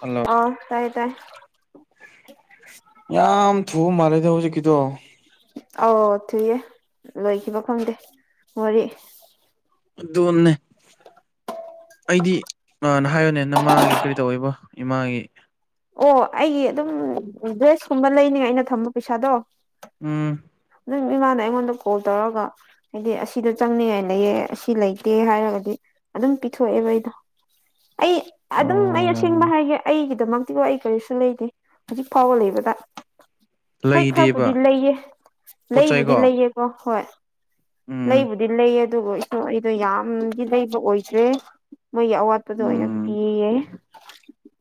hello ꯍꯥꯎ ꯇꯥꯏ ꯇꯥꯏ ꯌꯥꯝ ꯊꯨꯕ ꯃꯥꯜꯂꯦꯗ ꯍꯧꯖꯤꯛꯀꯤꯗꯣ ꯑꯧ ꯊꯨꯏꯌꯦ ꯂꯣꯏꯈꯤꯕ ꯈꯪꯗꯦ ꯋꯥꯔꯤ ꯑꯗꯨꯅꯦ ꯑꯩꯗꯤ ꯅ ꯍꯥꯏꯕꯅꯦ ꯅꯃꯥꯒꯤ ꯀꯔꯤ ꯇꯧꯑꯦꯕ ꯏꯃꯥꯒꯤ ꯑꯣ ꯑꯩꯒꯤ ꯑꯗꯨꯝ ꯗ꯭ꯔꯦꯁ ꯀꯨꯝꯕ ꯂꯩꯅꯤꯉꯥꯢ ꯑꯩꯅ ꯊꯝꯕ ꯄꯩꯁꯥꯗꯣ ꯎꯝ ꯅꯪ ꯏꯃꯥꯅ ꯑꯩꯉꯣꯟꯗ ꯀꯣꯜ ꯇꯧꯔꯒ ꯍꯥꯏꯗꯤ ꯑꯁꯤꯗꯣ ꯆꯪꯅꯤꯡꯉꯥꯏ ꯂꯩꯌꯦ ꯑꯁꯤ ꯂꯩꯇꯦ ꯍꯥꯏꯔꯒꯗꯤ ꯑꯗꯨꯝ ꯄꯤꯊꯣꯛꯑꯦꯕ ꯑꯩꯗꯣ ꯑꯩ ꯑꯗꯨꯝ ꯑꯩ ꯑꯁꯦꯡꯕ ꯑꯣ ꯍꯥꯏꯒꯦ ꯑꯩꯒꯤꯗꯃꯛ ꯑꯗꯣ ꯑꯩ ꯀꯔꯤꯁꯨ ꯂꯩꯗꯦ ꯍꯧꯖꯤꯛ ꯐꯥꯎꯕ ꯂꯩꯕꯗ ꯍꯣꯏ ꯂꯩꯗꯦꯕ ꯈꯔꯄꯨꯗꯤ ꯂꯩꯌꯦ ꯄꯣꯠ ꯂꯩꯕꯨꯗꯤ ꯆꯩꯀꯣ ꯂꯩꯌꯦ ꯑꯣ ꯍꯣꯏ ꯎꯝ ꯂꯩꯕꯨꯗꯤ ꯂꯩ ꯑꯗꯨꯒ ꯑꯩꯗꯣ ꯌꯥꯝꯗꯤ ꯂꯩꯕ ꯑꯣꯏꯗ꯭ꯔꯦ ꯃꯣꯏꯒꯤ ꯑꯋꯥꯠꯄꯗꯣ ꯑꯣꯏꯅ ꯎꯝ ꯄꯤꯌꯦ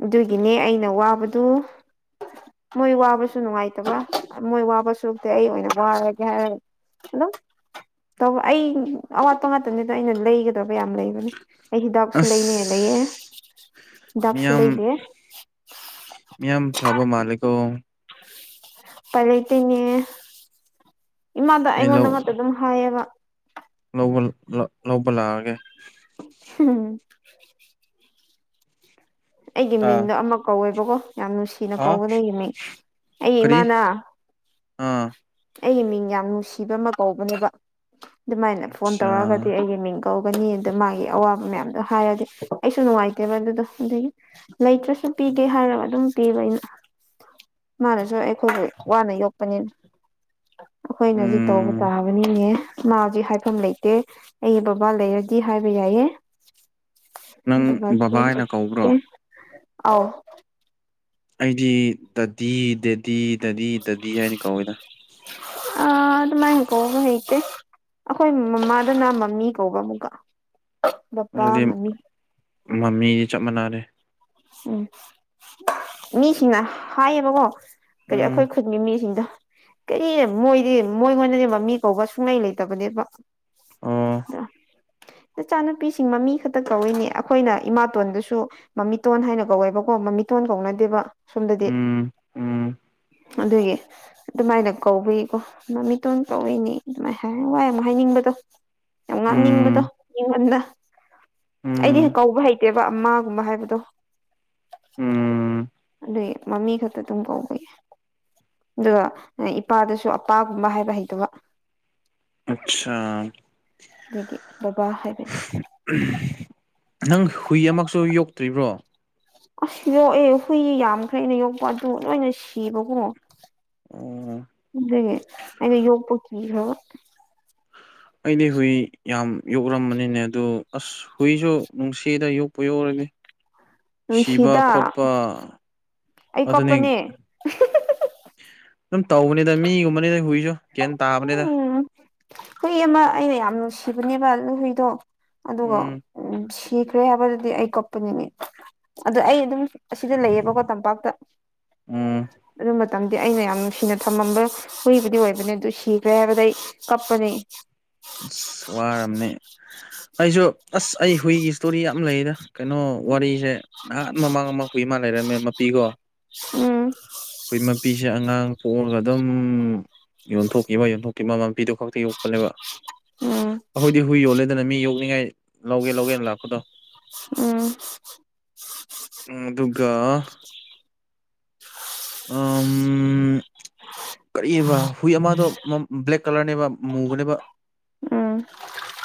ꯑꯗꯨꯒꯤꯅꯦ ꯑꯩꯅ ꯋꯥꯕꯗꯨ ꯃꯣꯏ ꯋꯥꯕꯁꯨ ꯅꯨꯡꯉꯥꯏꯇꯕ ꯃꯣꯏ ꯋꯥꯕ ꯁꯔꯨꯛꯇꯤ ꯑꯩ ꯑꯣꯏꯅ ꯋꯥꯔꯒꯦ ꯍꯥꯏꯔꯒ ꯑꯗꯨꯝ ꯇꯧ ꯑꯩ ꯑꯋꯥꯠꯄ ꯉꯛꯇꯅꯤꯗ ꯑꯩꯅ ꯂꯩꯒꯗꯕ ꯌꯥꯝ ꯂꯩꯕꯅꯦ ꯑꯩ ꯍꯤꯗꯥꯛꯁꯨ ꯑꯁ ꯂꯩꯅꯦ ꯂꯩꯌꯦ ꯍꯤꯗꯥꯛꯁꯨ ꯃꯤꯌꯥꯝ ꯂꯩꯒꯦ ꯃꯤꯌꯥꯝ ꯐꯕ ꯃꯥꯂꯀꯣ ꯄꯥꯏꯂꯩꯇꯦꯅꯦ ꯏꯃꯥꯗ ꯑꯩꯉꯣꯟꯗ ꯑꯃꯛꯇ ꯑꯗꯨꯝ ꯍꯥꯏꯌꯦꯕ ꯂꯧꯕꯜꯗ ꯂꯧꯕ ꯂꯥꯛꯑꯒꯦ ꯍꯨꯝ ꯑꯩꯒꯤ ꯑꯥ ꯃꯤꯡꯗꯣ ꯑꯃ ꯀꯧꯋꯦꯕꯀꯣ ꯌꯥꯝ ꯅꯨꯡꯁꯤꯅ ꯍꯥ ꯀꯧꯕꯏꯅꯦ ꯑꯩꯒꯤ ꯃꯤꯡ ꯑꯩ ꯀꯔꯤ ꯏꯃꯥꯅ ꯑꯥ ꯑꯩꯒꯤ ꯃꯤꯡ ꯌꯥꯝ ꯅꯨꯡꯁꯤꯕ ꯑꯃ ꯀꯧꯕꯅꯦꯕ ꯑꯗꯨꯃꯥꯏꯅ ꯐꯣꯟ ꯑꯠꯆꯥ ꯇꯧꯔꯒꯗꯤ ꯑꯩꯒꯤ ꯃꯤꯡ ꯀꯧꯒꯅꯤ ꯑꯗꯨ ꯃꯥꯒꯤ ꯑꯋꯥꯕ ꯃꯌꯥꯝꯗꯣ ꯍꯥꯏꯔꯗꯤ ꯑꯩꯁꯨ ꯅꯨꯡꯉꯥꯏꯇꯦꯕ ꯑꯗꯨꯗꯣ ꯑꯗꯨꯒꯤ ꯂꯩꯇ꯭ꯔꯁꯨ ꯁ ꯄꯤꯒꯦ ꯍꯥꯏꯔꯒ ꯑꯗꯨꯝ ꯄꯤꯕ ꯑꯩꯅ ꯃꯥꯅꯁꯨ ꯑꯩꯈꯣꯏꯁꯨ ꯋꯥꯅ ꯌꯣꯛꯄꯅꯤꯅ ꯑꯩꯈꯣꯏꯅ ꯍꯧꯖꯤꯛ ꯇꯧꯕ ꯎꯝ ꯇꯥꯕꯅꯤꯅꯦ ꯃꯥꯁ ꯍꯥꯏꯐꯝ ꯂꯩꯇꯦ ꯑꯩ ꯕꯕꯥ ꯂꯩꯔꯗꯤ ꯍꯥꯏꯕ ꯌꯥꯏꯑ ꯅꯪ ꯕꯕꯥ ꯍꯥꯏꯅ ꯀꯧꯕ꯭ꯔꯣ ꯑꯥꯎ ꯑꯩꯗꯤ ꯇꯗꯤ ꯗꯦꯗꯤ ꯇꯗꯤ ꯇꯗꯤ ꯍꯥꯏꯅꯤ ꯀꯧꯋꯤꯗ ꯑ ꯑꯗꯨ ꯑꯗꯨ ꯃꯥꯏ ꯀꯣ ꯂꯩꯇꯦ ꯑꯩꯈꯣꯏ ꯃꯃꯥꯗꯅ ꯃꯃꯤ ꯀꯧꯕ ꯑꯃꯨꯛꯀ ꯕꯕꯥ ꯑꯗꯨꯗꯤ ꯃꯃꯤ ꯃꯃꯤꯗꯤ ꯆꯞ ꯃꯥꯟꯅꯔꯦ ꯎꯝ ꯃꯤꯁꯤꯡꯅ ꯍꯥꯏꯌꯦꯕꯀꯣ ꯀꯔꯤ ꯎꯝ ꯑꯩꯈꯣꯏ ꯈꯨꯟꯒꯤ ꯃꯤꯁꯤꯡꯗꯣ ꯀꯔꯤ ꯃꯣꯏꯗꯤ ꯃꯣꯏ ꯉꯣꯟꯗꯗꯤ ꯃꯃꯤ ꯀꯧꯕ ꯁꯨꯡꯂꯩ ꯂꯩꯇꯕꯅꯦꯕ ꯑꯣ ꯎꯝ ꯅꯆꯥꯅꯨꯄꯤꯁꯤꯡ ꯃꯃꯤ ꯈꯛꯇ ꯀꯧꯏꯅꯦ ꯑꯩꯈꯣꯏꯅ ꯏꯃꯥꯇꯣꯟꯗꯨꯁꯨ ꯃꯃꯤꯠ ꯃꯤꯇꯣꯟ ꯍꯥꯏꯅ ꯀꯧꯋꯦꯕꯀꯣ ꯃꯃꯤꯇꯣꯟ ꯀꯧꯅꯗꯦꯕ ꯁꯣꯝꯗꯗꯤ ꯎꯝ ꯎꯝ ꯑꯗꯨꯒꯤ ꯑꯗꯨꯃꯥꯏꯅ ꯀꯧꯕꯀꯣ ꯃꯃꯤꯇꯣꯟ ꯀꯧꯏꯅꯤ ꯑꯗꯨꯃꯥꯏꯅ ꯍꯥꯏ ꯋꯥꯏ ꯑꯃꯨꯛ ꯍꯥꯏꯅꯤꯡꯕꯗꯣ ꯌꯥꯝ ꯎꯝ ꯉꯥꯡꯅꯤꯡꯕꯗꯣꯕꯗ ꯎꯝ ꯑꯩꯗꯤ ꯀꯧꯕ ꯍꯩꯇꯦꯕ ꯑꯃꯥꯒꯨꯝꯕ ꯍꯥꯏꯕꯗꯣ ꯎꯝ ꯑꯗꯨꯏ ꯃꯃꯤ ꯈꯛꯇ ꯑꯗꯨꯝ ꯀꯧꯕꯥꯎ ꯌꯥ ꯑꯗꯨꯒ ꯏꯄꯥꯗꯁꯨ ꯑꯄꯥꯒꯨꯝꯕ ꯍꯥꯏꯕ ꯍꯩꯇꯕ ꯑꯠꯆꯥ ꯑꯗꯒꯤ ꯕꯕꯥ ꯍꯥꯏꯕꯅꯤ ꯅꯪ ꯍꯨꯏ ꯑꯃꯛꯁꯨ ꯌꯣꯛꯇ꯭ꯔꯤꯕ꯭ꯔꯣ ꯑꯁ ꯌꯣꯛꯑꯦ ꯍꯨꯏ ꯌꯥꯝꯈ꯭ꯔꯦꯩꯅ ꯌꯣꯛꯄ ꯑꯗꯨ ꯂꯣꯏꯅ ꯁꯤꯕꯀꯣ ꯑꯣ ꯑꯩꯅ ꯌꯣꯄ ꯀ ꯍꯥꯏ ꯑꯩꯗꯤ ꯍꯨꯏ ꯌꯥꯝ ꯌꯣꯛꯂꯝꯕꯅꯤꯅꯦ ꯑꯗꯨꯗꯣ ꯑꯁ ꯍꯨꯏꯁꯨ ꯅꯨꯡꯁꯤꯗ ꯌꯣꯛꯄ ꯌꯣꯛꯔꯅꯤ ꯁꯤꯕ ꯅꯨꯡꯁꯤꯗ ꯈꯣꯠꯄ ꯑꯩ ꯑꯗꯨꯅꯤ ꯀꯞꯄꯅꯦ ꯑꯗꯨꯝ ꯇꯧꯕꯅꯤꯗ ꯃꯤꯒꯨꯝꯕꯅꯤꯅ ꯍꯨꯏꯁꯨ ꯀꯣ ꯇꯥꯕꯅꯦꯗ ꯎꯝ ꯍꯨꯏ ꯑꯃ ꯑꯩꯅ ꯌꯥꯝ ꯅꯨꯡꯁꯤꯕꯅꯦꯕ ꯂꯨꯍꯨꯏꯗꯣ ꯑꯗꯨꯒ ꯎꯝ ꯎꯝ ꯀꯤꯈ꯭ꯔꯦ ꯍꯥꯏꯕꯗꯨꯗꯤ ꯑꯩ ꯀꯞꯄꯅꯤꯅꯦ ꯑꯗꯣ ꯑꯩ ꯑꯗꯨꯝ ꯑꯁꯤꯗ ꯂꯩꯌꯦꯕꯀꯣ ꯇꯝꯄꯥꯛꯇ ꯎꯝ ꯑꯗꯨꯝꯕ ꯃꯇꯝꯗꯤ ꯑꯩꯅ ꯌꯥꯝ ꯅꯨꯡꯁꯤꯅ ꯊꯝꯃꯝꯕ ꯍꯨꯏꯕꯨꯗꯤ ꯑꯣꯏꯕ ꯀꯩꯅꯣꯗꯨ ꯁꯤꯈ꯭ꯔꯦ ꯍꯥꯏꯕꯗ ꯀꯞꯄꯅꯤ ꯑꯁ ꯋꯥꯝꯅꯦ ꯑꯩꯁꯨ ꯑꯁ ꯑꯩ ꯍꯨꯏꯒꯤ ꯏꯁꯇꯣꯔꯤ ꯌꯥꯝ ꯂꯩꯌꯦꯗ ꯀꯩꯅꯣ ꯋꯥꯔꯤꯁꯦ ꯅꯍꯥꯟ ꯃꯃꯥꯡ ꯑꯃ ꯍꯨꯏ ꯃꯥ ꯂꯩꯔꯝꯃꯦ ꯃꯄꯤꯀꯣ ꯎꯝ ꯑꯩꯈꯣꯏ ꯃꯄꯤꯁꯦ ꯑꯉꯥꯡ ꯄꯣꯛꯑꯒ ꯑꯗꯨꯝ ꯌꯣꯟꯊꯣꯛꯈꯤꯕ ꯃꯥ ꯌꯣꯟꯊꯣꯛꯇ ꯃ ꯃꯄꯤꯗꯨꯣ ꯈꯛꯇ ꯌꯣꯛꯄꯅꯦꯕ ꯎꯝ ꯑꯩꯈꯣꯏꯗꯤ ꯍꯨꯏ ꯌꯣꯜꯂꯦ ꯑꯗꯨꯅ ꯃꯤ ꯌꯣꯛꯅꯤꯡꯉꯥꯏ ꯂꯧꯒꯦ ꯂꯧꯒꯦꯅ ꯂꯥꯛꯄꯗꯣ ꯎꯝ ꯎꯝ ꯑꯗꯨꯒ ꯎ ꯀꯔꯤꯕ ꯍꯨꯏ ꯑꯃꯗꯣ ꯕ꯭ꯂꯦꯛ ꯀꯂꯔꯅꯦꯕ ꯃꯨꯕꯅꯦꯕ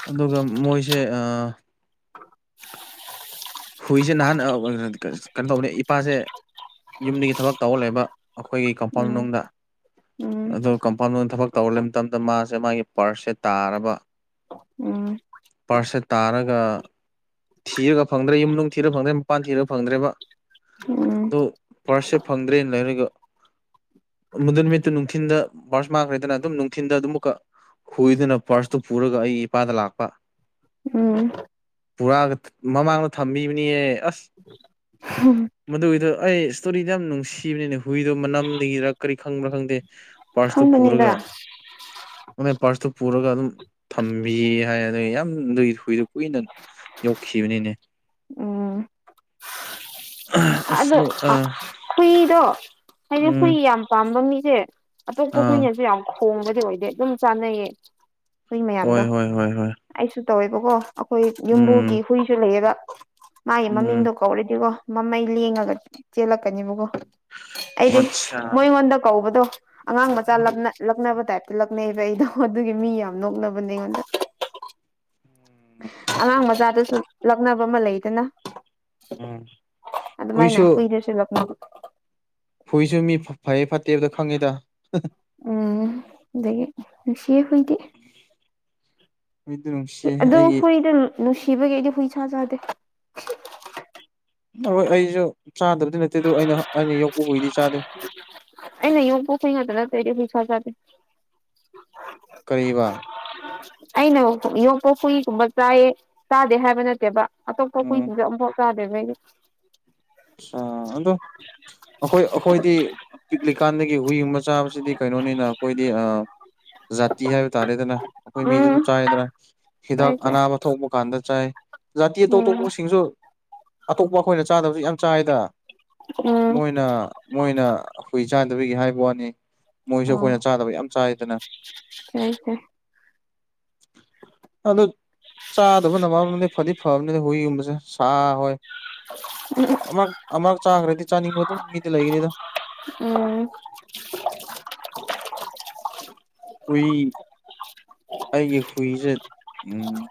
ꯑꯗꯨꯒ ꯃꯣꯏꯁꯦ ꯑ ꯍꯨꯏꯁꯦ ꯅꯍꯥꯟ ꯀꯩꯅꯣ ꯇꯧꯕꯅꯦ ꯏꯄꯥꯁꯦ ꯌꯨꯝꯗꯒꯤ ꯊꯕꯛ ꯇꯧꯍꯜꯂꯕ ꯑꯩꯈꯣꯏꯒꯤ ꯎꯝ ꯀꯝꯄꯥ꯭ꯎꯟ ꯎꯝ ꯃꯅꯨꯡꯗ ꯑꯗꯨ ꯀꯝ ꯄꯥꯡꯂꯣꯟ ꯊꯕꯛ ꯇꯧꯂꯦ ꯃꯇꯝꯗ ꯃꯥꯁꯦ ꯃꯥꯒꯤ ꯄ꯭ꯔꯁꯁꯦ ꯇꯥꯔꯕ ꯎꯝ ꯄꯥꯔꯁꯁꯦ ꯇꯥꯔꯒ ꯊꯤꯔꯒ ꯐꯪꯗ꯭ꯔꯦ ꯌꯨꯝꯅꯨꯡ ꯊꯤꯔ ꯐꯪꯗ꯭ꯔꯦ ꯃꯄꯥꯟ ꯊꯤꯔ ꯐꯪꯗ꯭ꯔꯦꯕ ꯎꯝ ꯑꯗꯨ ꯄꯥꯔꯁꯤꯞ ꯐꯪꯗ꯭ꯔꯦꯅ ꯂꯩꯔꯒ ꯃꯗꯨꯟ ꯅꯨꯃꯤꯠꯇꯨ ꯅꯨꯡꯊꯤꯟꯗ ꯃꯥꯔꯁ ꯃꯥꯡꯈ꯭ꯔꯦꯗꯅ ꯑꯗꯨꯝ ꯅꯨꯡꯊꯤꯟꯗ ꯑꯗꯨꯝ ꯑꯃꯛꯀ ꯍꯨꯏꯗꯨꯅ ꯄꯥꯔꯁꯇꯨ ꯄꯨꯔꯒ ꯑꯩ ꯏꯄꯥꯗ ꯂꯥꯛꯄ ꯎꯝ ꯄꯨꯔꯛꯑꯒ ꯃꯃꯥꯡꯗ ꯊꯝꯕꯤꯕꯅꯤꯍꯦ ꯑꯁ ꯍꯝ ꯃꯗꯨꯒꯤꯗꯣ ꯑꯩ ꯏꯁꯇꯣꯔꯤꯗꯣ ꯌꯥꯝ ꯅꯨꯡꯁꯤꯕꯅꯤꯅꯦ ꯍꯨꯏꯗꯣ ꯃꯅꯝꯗꯒꯤꯔ ꯀꯔꯤ ꯈꯪꯕ꯭ꯔꯥ ꯈꯪꯗꯦ ꯄꯥꯔꯠꯁꯇꯨ ꯈꯪꯕꯅꯤꯗ ꯄꯨꯔꯒ ꯅ ꯄꯥꯔꯁꯇꯨ ꯄꯨꯔꯒ ꯑꯗꯨꯝ ꯊꯝꯕꯤ ꯍꯥꯏꯗ ꯌꯥꯝ ꯑꯗꯨꯏ ꯀꯨꯏꯗ ꯀꯨꯏꯅ ꯈꯤꯕꯅꯤꯅꯦ ꯎꯝ ꯑꯗꯣ ꯍꯨꯏꯗꯣ ꯍꯥꯏꯗꯤ ꯍꯨꯏ ꯎꯝ ꯌꯥꯝ ꯄꯥꯝꯕ ꯃꯤꯁꯦ ꯑꯇꯣꯞꯄ ꯑꯥ ꯍꯨꯏꯅꯁꯨ ꯌꯥꯝ ꯈꯣꯡꯕꯗꯤ ꯑꯣꯏꯗꯦ ꯑꯗꯨꯝ ꯆꯥꯅꯩꯌꯦ ꯍꯨꯏ ꯃꯌꯥꯝꯗꯣ ꯍꯣꯏ ꯍꯣꯏ ꯍꯣꯏ ꯍꯣꯏ ꯑꯩꯁꯨ ꯇꯧꯋꯦꯕꯀꯣ ꯑꯩꯈꯣꯏ ꯌꯨꯝꯕꯨꯒꯤ ꯎꯝ ꯍꯨꯏꯁꯨ ꯂꯩꯌꯦꯕ ꯃꯥꯒꯤ ꯎꯝ ꯃꯃꯤꯡꯗꯣ ꯀꯧꯔꯗꯤꯒꯣ ꯃꯃꯩ ꯂꯦꯡꯉꯒ ꯆꯦꯜꯂꯛꯀꯅꯦꯕꯀꯣ ꯑꯩꯗꯤ ꯑꯆꯥ ꯃꯣꯏꯉꯣꯟꯗ ꯀꯧꯕꯗꯣ ꯑꯉꯥꯡ ꯃꯆꯥ ꯂꯞꯅꯦ ꯂꯛꯅꯕ ꯇꯥꯏꯞꯇ ꯂꯛꯅꯩꯑꯕ ꯑꯩꯗꯣ ꯑꯗꯨꯒꯤ ꯃꯤ ꯌꯥꯝ ꯅꯣꯛꯅꯕꯅꯦꯉꯣꯟꯗ ꯑꯉꯥꯡ ꯃꯆꯥꯗꯨꯁꯨ ꯂꯛꯅꯕ ꯑꯃ ꯂꯩꯗꯅ ꯑꯗꯨ ꯎꯝ ꯑꯗꯨ ꯃꯥꯏꯅ ꯍꯨꯏꯁꯨ ꯐꯨꯏꯔꯁꯨ ꯂ ꯐꯨꯏꯁꯨ ꯃꯤ ꯐꯩꯌꯦ ꯐꯠꯇꯦꯕꯗꯣ ꯈꯪꯉꯤꯗ ꯎꯝ ꯑꯗꯨꯗꯒꯤ ꯅꯨꯡꯁꯤꯦ ꯍꯨꯏꯗꯤꯦ ꯍꯨꯏꯗꯤ ꯅꯨꯡꯁꯤ ꯑꯗꯣ ꯑꯩꯒꯤ ꯍꯨꯏꯗ ꯅꯨꯡꯁꯤꯕꯒꯤ ꯑꯩꯗꯤ ꯍꯨꯏꯁꯥꯥ ꯆꯥꯗꯦ ꯍꯣꯏ ꯑꯩꯁꯨ ꯆꯥꯗꯕꯗꯤ ꯅꯠꯇꯦ ꯑꯗꯨ ꯑꯩꯅ ꯑꯩꯅ ꯌꯣꯛꯄ ꯍꯨꯏꯗꯤ ꯆꯥꯗꯦ ꯑꯩꯅ [unintelligible] ꯀꯔꯤꯕ [unintelligible] ꯑꯩꯅ ꯌꯣꯛꯄ ꯍꯨꯏꯒꯨꯝꯕ ꯆꯥꯏꯑ ꯆꯥꯗꯦ ꯍꯥꯏꯕ ꯅꯠꯇꯦꯕ ꯑꯇꯣꯞꯄ ꯎꯝ ꯍꯨꯏꯁꯤꯡꯁꯦ ꯑꯃꯨꯐꯥꯎ ꯀꯥꯗꯕꯩꯗꯤ ꯑꯁꯥ ꯑꯗꯣ ꯑꯩꯈꯣꯏ ꯑꯩꯈꯣꯏꯗꯤ ꯄꯤꯛꯂꯤꯀꯥꯟꯗꯒꯤ ꯍꯨꯏꯒꯨꯝꯕ ꯆꯥꯕꯁꯤꯗꯤ ꯀꯩꯅꯣꯅꯤꯅ ꯑꯩꯈꯣꯏꯗꯤ ꯑ ꯖꯥꯇꯤ ꯍꯥꯏꯕ ꯇꯥꯔꯦꯗꯅ ꯑꯩꯈꯣꯏ ꯃꯤꯗꯤ ꯎꯝ ꯑꯗꯨꯝ ꯆꯥꯏꯌꯦꯗꯅ ꯍꯤꯗꯥꯛ ꯆꯥꯏ ꯆꯥꯏ ꯑꯅꯥꯕ ꯊꯣꯡꯕ ꯀꯥꯟꯗ ꯆꯥꯏ ꯖꯥꯇꯤ ꯑꯇꯣꯞ ꯎꯝ ꯑꯇꯣꯞꯄꯁꯤꯡꯁꯨ ꯑꯇꯣꯞꯄ ꯑꯩꯈꯣꯏꯅ ꯆꯥꯗꯕꯁꯨ ꯌꯥꯝ ꯆꯥꯏꯗ ꯎꯝ ꯃꯣꯏꯅ ꯃꯣꯏꯅ ꯍꯨꯏ ꯆꯥꯟꯗꯕꯒꯤ ꯍꯥꯏꯕ ꯋꯥꯅꯤ ꯃꯣꯏꯖꯨ ꯑꯩꯈꯣꯏꯅ ꯑꯣ ꯆꯥꯗꯕ ꯌꯥꯝ ꯆꯥꯏꯗꯅ ꯐꯩ ꯐꯩ ꯑꯗꯨ ꯆꯥꯗꯕ ꯅ ꯃꯔꯗꯤ ꯐꯗꯤ ꯐꯕꯅꯤꯗ ꯍꯨꯏꯒꯨꯝꯕꯁꯦ ꯁꯥ ꯍꯣꯏ ꯎ [unintelligible] ꯑꯃꯔꯛ ꯑꯃꯔꯛ ꯆꯥꯒ꯭ꯔꯗꯤ ꯆꯥꯅꯤꯡꯕ ꯑꯗꯨꯝ ꯃꯤꯗꯨ ꯂꯩꯒꯅꯤꯗ‌ꫭ ꯎꯝ ꯍꯨꯏ ꯑꯩꯒꯤ ꯍꯨꯏꯁꯦ ꯎꯝ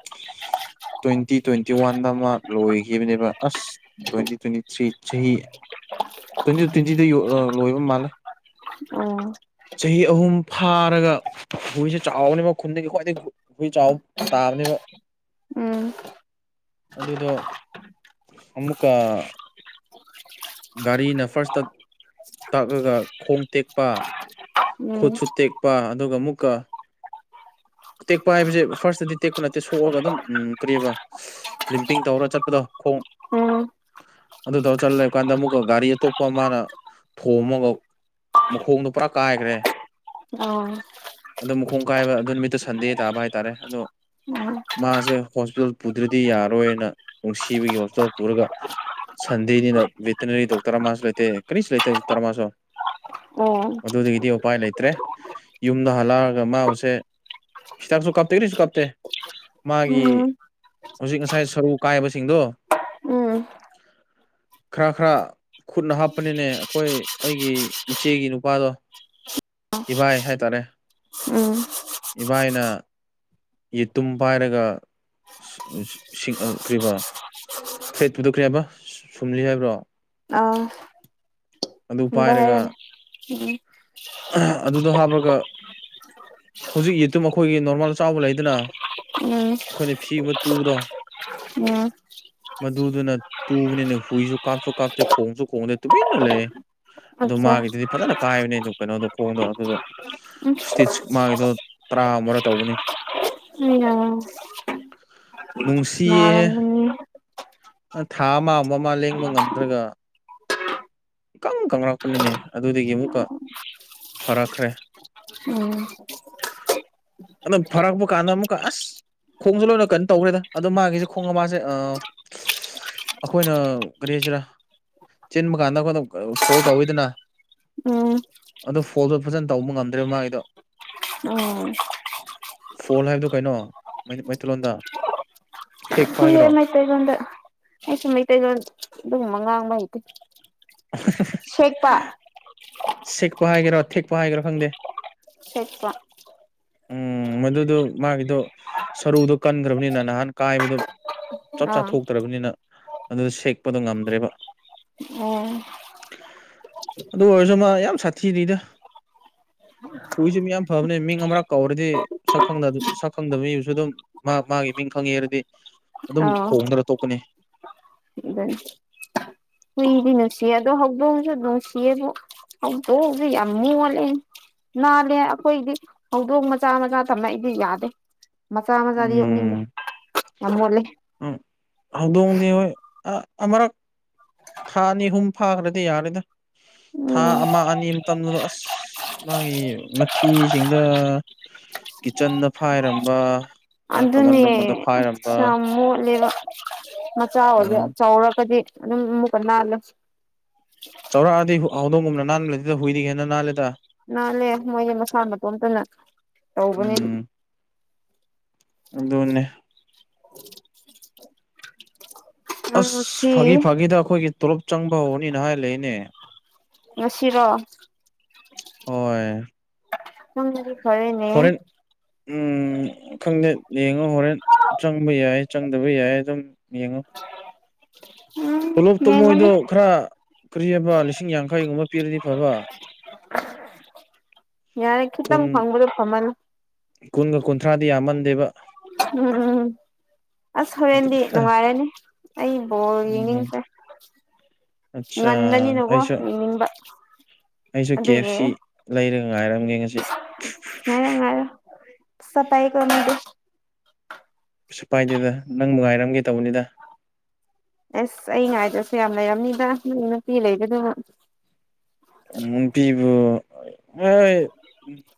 ꯇ꯭ꯋꯦꯟꯇꯤ ꯇ꯭ꯋꯦꯟꯇꯤ ꯋꯥꯟꯗ ꯃꯥ ꯂꯣꯏꯈꯤꯕꯅꯦꯕ ꯑꯁ ꯇ꯭ꯋꯦꯟꯇꯤ ꯇ꯭ꯋꯦꯟꯇꯤꯊ꯭ꯔꯤ ꯆꯍꯤ ꯇ꯭ꯋꯦꯟꯇꯤ ꯇ꯭ꯋꯦꯟꯇꯤꯗ ꯂꯣꯏꯕ ꯃꯥꯜꯂꯦ ꯑꫭ ꯆꯍꯤ ꯑꯍꯨꯝ ꯐꯥꯔꯒ ꯍꯨꯏꯁꯦ ꯆꯥꯎꯕꯅꯤ ꯈꯨꯟꯗꯒꯤ ꯈ꯭ꯋꯥꯏꯗꯒꯤ ꯍꯨ ꯆꯥꯎ ꯇꯥꯕꯅꯦꯕꯥ ꯎꯝ ꯑꯗꯨꯗꯣ ꯑꯃꯨꯀ ꯒꯥꯔꯤꯅ ꯐꯥ꯭ꯔꯁꯇ ꯇꯛꯑꯒ ꯈꯣꯡ ꯇꯦꯛꯄ ꯎꯝ ꯈꯨꯠꯁꯨ ꯇꯦꯛꯄ ꯑꯗꯨꯒ ꯑꯃꯨꯛꯀ ꯇꯦꯛꯄ ꯍꯥꯏꯕꯁꯦ ꯐꯥꯔꯁꯇꯗꯤ ꯇꯦꯛꯄ ꯅꯠꯇꯦ ꯁꯣꯛꯑꯒ ꯑꯗꯨꯝ ꯎ ꯀꯔꯤꯌ‌ꯦꯕꯥ ꯂꯤꯝꯄꯤꯡ ꯇꯧꯔꯒ ꯆꯠꯄꯗꯣ ꯈꯣꯡ ꯎꯝ ꯑꯗꯨꯗꯣ ꯆꯜ ꯂꯧ ꯀꯥꯟꯗ ꯑꯃꯨꯛꯀ ꯒꯥꯔꯤ ꯑꯇꯣꯞꯄ ꯑꯃꯅ ꯊꯣꯝꯃꯒ ꯃꯈꯣꯡꯗꯣ ꯄꯨꯔꯥ ꯀꯥꯏꯈ꯭ꯔꯦ ꯑꯣ ꯑꯗꯨ ꯃꯈꯣꯡ ꯀꯥꯏꯕ ꯑꯗꯨ ꯅꯨꯃꯤꯠꯇꯨꯁ ꯁꯟꯗꯦ ꯇꯥꯕ ꯍꯥꯏꯇꯥꯔꯦ ꯑꯗꯣ ꯎꯝ ꯃꯥꯁꯦ ꯍꯣꯁꯄꯤꯇꯥꯜ ꯄꯨꯗ꯭ꯔꯗꯤ ꯌꯥꯔꯣꯏꯅ ꯅꯨꯡꯁꯤꯕꯒꯤ ꯍꯣꯁꯄꯤꯇꯥꯜ ꯄꯨꯔꯒ ꯁꯟꯗꯦꯅꯤꯅ ꯕ‌ꯦꯠꯇꯅꯔꯤ ꯗꯣꯛꯇꯔ ꯑꯃꯁꯨꯂꯩꯇꯦ ꯀꯔꯤꯁꯨ ꯂꯩꯇꯦ ꯗꯣꯛꯇꯔꯁꯨ ꯑꯣ ꯎꯝ ꯑꯗꯨꯗꯒꯤꯗꯤ ꯎꯄꯥꯏ ꯂꯩꯇ꯭ꯔꯦ ꯌꯨꯝꯗ ꯍꯜꯂꯛꯑꯒ ꯃꯥꯕꯨꯁꯦ ꯍꯤꯗꯥꯛꯁꯨ ꯀꯥꯞꯇꯦ ꯀꯔꯤꯁꯨ ꯀꯥꯞꯇꯦ ꯃꯥꯒꯤ ꯍꯧꯖꯤꯛ ꯉꯁꯥꯏ ꯁꯔꯨ ꯀꯥꯏꯕꯁꯤꯡꯗꯣ.... ꯎꯝ ꯈꯔ ꯈꯔ ꯈꯨꯠꯅ ꯍꯥꯞꯄꯅꯤꯅꯦ ꯑꯩꯈꯣꯏ ꯑꯩꯒꯤ ꯏꯆꯦꯒꯤ ꯅꯨꯄꯥꯗꯣ ꯏꯕꯥꯏ ꯍꯥꯏꯇꯥꯔꯦ ꯎꯝ ꯏꯕꯥꯏꯅ ꯌꯦꯇꯨꯝ ꯄꯥꯏꯔꯒ ꯁꯤꯡ ꯀꯔꯤꯌ‌ꯦꯕꯥ ꯐꯔꯦꯠꯇꯨꯗ ꯀꯔꯤꯌ‌ꯦꯕ ꯑꯃ ꯁꯨꯝꯂꯤ ꯍꯥꯏꯕ꯭ꯔꯣ ꯑ ꯑꯗꯨ ꯄꯥꯏꯔꯒ ꯎꯝ ꯑꯗꯨꯗꯣ ꯍꯥꯞꯄꯔꯒ ꯍꯧꯖꯤꯛ ꯌꯦꯠꯇꯨ ꯃꯈꯣꯏꯒꯤ ꯅꯣꯔꯃꯦꯜ ꯆꯥꯎꯕ ꯂꯩꯌ‌ꯦꯗꯅ ꯎꯝ ꯎꯝ ꯑꯩꯈꯣꯏꯅ ꯐꯤꯒ ꯑꯃ ꯇꯨꯕꯗꯣ ꯑꯥ ꯃꯗꯨꯗꯨꯅ ꯇꯨꯕꯅꯤꯅꯦ ꯍꯨꯏꯁꯨ ꯀꯥꯞꯁꯨ ꯀꯥꯞꯇꯦ ꯈꯣꯡꯁꯨ ꯈꯣꯡꯗꯦ ꯇꯨꯃꯤꯟꯅ ꯂꯩꯌꯦ ꯑꯗꯨ ꯑꯠꯆꯥ ꯃꯥꯒꯤꯗꯨꯗꯤ ꯐꯖꯅ ꯀꯥꯏꯕꯅꯦ ꯑꯗꯨ ꯀꯩꯅꯣꯗꯣ ꯈꯣꯡꯗꯣ ꯑꯗꯨꯗꯣ ꯏꯁꯇꯤꯆ ꯃꯥꯒꯤꯗꯣ ꯇꯔꯥ ꯑꯃꯨꯔ ꯇꯧꯕꯅꯤ ꯑꯥ ꯅꯨꯡꯁꯤꯌꯦ ꯊꯥ ꯑꯃ ꯑꯃ ꯃꯥ ꯂꯦꯡꯕ ꯉꯝꯗ꯭ꯔꯒ ꯏ ꯀꯪ ꯀꯪꯔꯛꯄꯅꯤꯅꯦ ꯑꯗꯨꯗꯒꯤ ꯑꯃꯨꯛꯀ ꯐꯔꯛꯈ꯭ꯔꯦ ꯑꯥ... ꯑꯗ‌ꫭ ꯐꯔꯛꯄ ꯀꯥꯟꯗ ꯑꯃꯨꯀ ꯑꯁ ꯈꯣꯡꯖꯜꯂꯨꯀꯟ ꯇꯧꯈ‌꯭ꯔ‌ꯦꯗ ꯑꯗꯣ ꯃꯥꯒꯤꯁꯦ ꯈꯣꯡꯉ ꯃꯥꯁꯦ ꯑꯩꯈꯣꯏꯅ ꯀꯔꯤ ꯍꯥꯏꯖꯤꯔ ꯆꯤꯟꯕ ꯀꯥꯟꯗ ꯐꯣꯜ ꯇꯧꯋꯤꯗꯅ ꯎꯝ ꯑꯗꯣ ꯐꯣꯜꯗꯣ ꯐꯖꯅ ꯇꯧꯕ ꯉꯝꯗ꯭ꯔꯦꯕ ꯃꯥꯒꯤꯗꯣ ꯎꯝ ꯐꯣꯜ ꯍꯥꯏꯕꯗꯨ ꯀꯩꯅꯣ ꯃꯩ ꯃꯩꯇꯩꯂꯣꯟꯗ ꯊꯦꯛꯄ ꯈꯪꯗꯦ ꯍꯥꯏꯒꯦꯔꯣ ꯃꯩꯇꯩ ꯂꯣꯟꯗ ꯑꯩꯁꯨ ꯃꯩꯇꯩ ꯂꯣꯟ ꯑꯗꯨꯒꯨꯝꯕ ꯉꯥꯡꯕ ꯍꯩꯇꯦ ꯁꯦꯛꯄꯥ ꯁꯦꯛꯄ ꯍꯥꯏꯒꯦꯔꯣ ꯊꯦꯛꯄ ꯍꯥꯏꯒꯦꯔꯣ ꯈꯪꯗꯦ ꯁꯦꯛꯄ ꯎꯝ ꯃꯗꯨꯗꯨ ꯃꯥꯒꯤꯗꯣ ꯁꯔꯨꯗꯣ ꯀꯟꯒ꯭ꯔꯕꯅꯤꯅ ꯅꯍꯥꯟ ꯀꯥꯏꯕꯗꯨ ꯆꯞ ꯆꯥ ꯑꯥ ꯊꯣꯛꯇ꯭ꯔꯕꯅꯤꯅ ꯑꯗꯨꯗ ꯁꯦꯛꯄꯗꯣ ꯉꯝꯗ꯭ꯔꯦꯕ ꯑꯣ ꯑꯗꯨ ꯑꯣꯏꯔꯁꯨ ꯃꯥ ꯌꯥꯝ ꯁꯥꯊꯤꯔꯤꯗ ꯍꯨꯏꯁꯨ ꯃꯤ ꯌꯥꯝ ꯐꯕꯅꯦ ꯃꯤꯡ ꯑꯃꯔꯛ ꯀꯧꯔꯗꯤ ꯁꯛ ꯈꯪꯅ ꯁꯛ ꯈꯪꯗꯕ ꯃꯤꯅꯁꯨ ꯑꯗꯨꯝ ꯃꯥ ꯃꯥꯒꯤ ꯃꯤꯡ ꯈꯪꯉꯦ ꯍꯥꯏꯔꯗꯤ ꯑꯗꯨꯝ ꯈꯣꯡꯗꯅ ꯇꯣꯛꯀꯅꯤ ꯑꯗꯩ ꯍꯨꯏꯗꯤ ꯅꯨꯡꯁꯤ ꯑꯗꯣ ꯍꯧꯗꯣꯡꯁꯨ ꯅꯨꯡꯁꯤꯌꯦꯕꯨ ꯍꯧꯗꯣꯡꯁꯨ ꯌꯥꯝ ꯃꯣꯜꯂꯦ ꯅꯥꯜꯂꯦ ꯑꯩꯈꯣꯏꯗꯤ ꯍꯧꯗꯣꯡ ꯃꯆꯥ ꯃꯆꯥ ꯇꯝꯃꯛꯏꯗꯤ ꯌꯥꯗꯦ ꯃꯆꯥ ꯃꯆꯥꯗꯤ ꯌꯣꯛꯅꯤꯡꯗꯦ ꯌꯥꯝ ꯃꯣꯠꯂꯤ ꯎꯝ ꯍꯧꯗꯣꯡꯗꯤ ꯍꯣꯏ ꯑ ꯑꯃꯔꯛ ꯊꯥꯅꯤ ꯑꯍꯨꯝ ꯐꯥꯈ꯭ꯔꯗꯤ ꯌꯥꯔꯦꯗ ꯊꯥ ꯎꯝ ꯑꯃ ꯑꯅꯤ ꯃꯇꯝꯗꯨꯗ ꯑꯁ ꯃꯥꯒꯤ ꯃꯊꯤꯁꯤꯡꯗ ꯀꯤꯠꯆꯟꯗ ꯐꯥꯏꯔꯝꯕ ꯃꯥ ꯀꯃꯟ ꯔꯨꯝꯂꯣꯝꯗ ꯐꯥꯏꯔꯝꯕ ꯈꯣꯠꯂꯦꯕ ꯃꯆꯥ ꯑꯣꯏꯁꯨ ꯆꯥꯎꯔꯒꯗꯤ ꯑꯗꯨꯝ ꯑꯃꯨꯛꯀ ꯅꯥꯜꯂꯦ ꯆꯥꯎꯔꯥꯛꯑꯗꯤ ꯍꯧꯗꯣꯡꯒꯨꯝꯅ ꯅꯥꯟꯕ ꯂꯩꯇꯦꯗ ꯍꯨꯏꯗꯒꯤ ꯍꯦꯟꯅ ꯅꯥꯜꯂꯦꯗ ꯅꯥꯜꯂꯦ ꯃꯣꯏꯗꯤ ꯃꯁꯥ ꯃꯇꯣꯝꯇꯅ ꯇꯧꯕꯅꯤ ꯎꯝ ꯑꯗꯨꯅꯦ [inaudible] ꯅꯪ ꯑꯁ ꯉꯁꯤ ꯐꯥꯒꯤ ꯐꯥꯒꯤꯗ ꯑꯩꯈꯣꯏꯒꯤ ꯇꯣꯂꯣꯞ ꯆꯪꯕ ꯍꯧꯔꯅꯤꯅ ꯍꯥꯏ ꯂꯩꯅꯦ ꯉꯁꯤꯔꯣ ꯍꯣꯏ ꯁꯪꯅꯗꯤ ꯐꯔꯦꯅꯦ ꯍꯣꯔꯦꯟ ꯎꯝ ꯈꯪꯗꯦ ꯌꯦꯡꯉꯣ ꯍꯣꯔꯦꯟ ꯆꯪꯕ ꯌꯥꯏ ꯆꯪꯗꯕ ꯌꯥꯏ ꯑꯗꯨꯝ ꯌꯦꯡꯉꯣ ꯎꯝ ꯇꯣꯂꯣꯞꯇꯣꯃꯣꯏꯗꯣ ꯌꯦꯡꯉꯅꯤ ꯈꯔ ꯀ꯭ꯔꯤ ꯍꯥꯕ ꯂꯤꯁꯤꯡ ꯌꯥꯡꯈꯩꯒꯨꯝꯕ ꯄꯤꯔꯗꯤ ꯐꯕ ꯌꯥꯔꯦ ꯀꯨꯟ ꯈꯤꯇꯪ ꯐꯪꯕꯗꯣ ꯐꯃꯟ ꯀꯨꯟꯒ ꯀꯨꯟꯊ꯭ꯔꯥꯗꯤ ꯌꯥꯝꯃꯟꯗꯦꯕ ꯎꯝ ꯎꯝ ꯑꯁ ꯍꯣꯔꯦꯟꯗꯤ ꯅꯨꯡꯉꯥꯏꯔꯅꯤ ꯑꯩ ꯕꯣꯜ ꯎꯝ ꯌꯦꯡꯅꯤꯡꯗ꯭ꯔꯦ ꯑꯠꯆꯥ ꯉꯟꯕꯅꯤꯅꯀꯣ ꯑꯩꯁꯨ ꯌꯦꯡꯅꯤꯡꯕꯥ ꯑꯩꯁꯨ ꯀꯦ ꯑꯦꯐ ꯁꯤ ꯂꯩꯔꯒ ꯉꯥꯏꯔꯝꯒꯦ ꯉꯁꯤ ꯉꯥꯢꯌꯣꯉꯥꯢꯌꯣ ꯄꯁꯥ ꯄꯥꯢꯑꯦꯀꯣ ꯃꯤꯗꯤ ꯄꯩꯁꯥ ꯄꯥꯏꯗꯦꯗ ꯅꯪꯕꯨ ꯉꯥꯏꯔꯝꯒꯦ ꯇꯧꯕꯅꯤꯗ ꯑꯦꯁ ꯑꯩ ꯉꯥꯏꯗ꯭ꯔꯁꯨ ꯌꯥꯝ ꯂꯩꯔꯝꯅꯤꯗ ꯅꯪ ꯅꯨꯄꯤ ꯂꯩꯕꯗꯨꯕꯨ ꯅꯨꯄꯤꯕꯨ ꯍꯣꯏ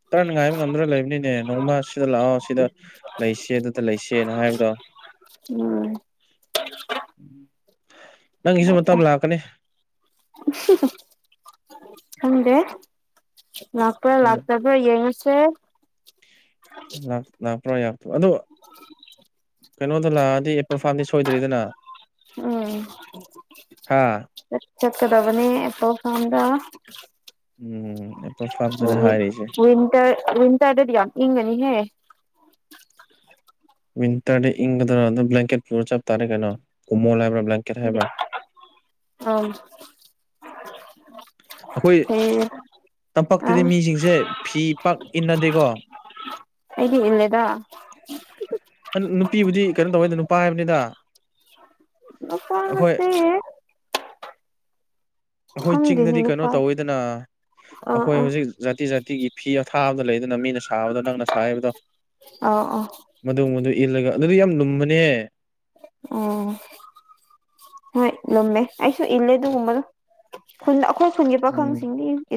ꯇꯔꯥꯅ ꯉꯥꯏꯕ ꯉꯝꯗ꯭ꯔꯥ ꯂꯩꯕꯅꯤꯅꯦ ꯅꯣꯡꯃ ꯁꯤꯗ ꯂꯥꯛꯑꯣ ꯁꯤꯗ ꯂꯩꯁꯦ ꯑꯗꯨꯗ ꯂꯩꯁꯦꯅ ꯍꯥꯏꯕꯗꯣ [unintelligible] ꯅꯪꯒꯤꯁꯨ ꯑꯦ ꯃꯇꯝ ꯂꯥꯛꯀꯅꯤ ꯈꯪꯗꯦ ꯂꯥꯛꯄ꯭ꯔꯥ ꯂꯥꯛꯇꯕ꯭ꯔꯥ ꯌꯦꯡꯉꯁꯦ ꯂꯥꯛꯂꯥꯛꯄ ꯌꯥꯗ꯭ꯔꯣ ꯑꯗꯣ ꯀꯩꯅꯣꯗꯣ ꯂꯥꯛꯑꯗꯤ ꯑꯦꯄꯜ ꯐꯥꯔꯝꯗꯤ ꯁꯣꯏꯗ꯭ꯔꯤꯗꯅ ꯑꯥ ꯍꯥ [unintelligible] ꯆꯀꯗꯕꯅꯦ ꯑꯦꯄꯜ ꯐꯥꯝꯗ ꯎꯝ ꯑꯦꯄꯜ ꯎꯝ ꯐꯥꯔꯝꯗꯅꯦ ꯍꯥꯏꯔꯤꯁꯦ ꯋꯤꯟꯇꯔ ꯋꯤꯟꯇꯔꯗꯗꯤ ꯌꯥꯝ ꯏꯪꯒꯅꯤꯍꯦ ꯋꯤꯟꯇꯔꯗ ꯏꯪꯕꯗꯣ ꯑꯗꯨ ꯕ꯭ꯂꯀꯦꯠꯀꯤ ꯆꯞꯇꯥꯔꯦ ꯀꯩꯅꯣ ꯀꯨꯝꯃꯣꯜ ꯍꯥꯏꯕꯥ ꯕ꯭ꯂꯀꯦꯠ [unintelligible] ꯑꯩꯈꯣꯏ ꯐꯩꯌꯦ ꯑ ꯇꯝꯄꯥꯛꯛꯇꯗꯤ ꯃꯤꯖꯤꯡꯁꯦ ꯐꯤ ꯄꯥꯛ ꯏꯟꯅꯗꯦꯀꯣ ꯑꯩꯗꯤ ꯏꯜꯂꯦꯗ ꯅꯨꯄꯤꯕꯨꯗꯤ ꯀꯩꯅꯣ ꯇꯧꯋꯦꯗ ꯅꯨꯄꯥ ꯍꯥꯏꯕꯅꯤꯗꯥ ꯅꯨꯄꯥꯁꯦ ꯑꯩꯈꯣꯏ ꯈꯪꯗꯦꯅꯦ ꯆꯤꯡꯗꯗꯤ ꯀꯩꯅꯣ ꯅꯨꯄꯥ ꯇꯧꯋꯤꯗꯅ ꯑꯥ ꯑꯩꯈꯣꯏ ꯑꯥ ꯍꯧꯖꯤꯛ ꯖꯥꯇꯤ ꯖꯥꯇꯤꯒꯤ ꯐꯤ ꯑꯊꯥꯕꯗꯣ ꯂꯩꯗꯅ ꯃꯤꯅ ꯁꯥꯕꯗꯣ ꯅꯪꯅ ꯁꯥꯏ ꯍꯥꯏꯕꯗꯣ ꯑꯥꯎ ꯑꯥꯎ ꯃꯗꯨ ꯒꯨꯝꯕꯗꫭ ꯏꯜꯂꯒ ꯑꯗꯨꯗꯤ ꯌꯥꯝ ꯂꯨꯝꯕꯅꯦ ꯎꯝ ꯍꯣꯏ ꯂꯨꯝꯃꯦ ꯑꯩꯁꯨ ꯏꯜꯂꯦ ꯑꯗꯨꯒꯨꯝꯕꯗꫭ ꯈꯨꯟ ꯑꯩꯈꯣꯏ ꯈꯨꯟꯒꯤ ꯎꯝ ꯄꯥꯈꯪꯁꯤꯡꯗꯤ